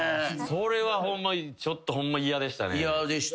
それはちょっとホンマ嫌でしたね。